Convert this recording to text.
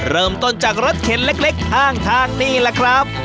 เริ่มต้นจากรถเข็นเล็กข้างทางนี่แหละครับ